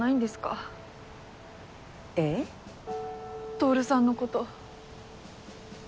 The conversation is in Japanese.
透さんのこと。